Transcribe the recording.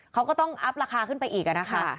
เขาก็ต้องอัพราคาขึ้นไปอีกนะคะ